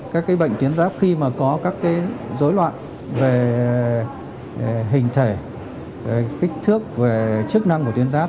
các bệnh tuyến giáp khi có các dối loạn về hình thể kích thước chức năng của tuyến giáp